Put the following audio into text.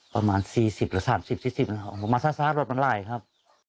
ประมาณ๔๐หรือ๓๐๔๐มาซ้ารถมันไหลครับ